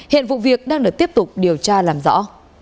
hiện vụ việc đang được tiếp tục điều tra làm rõ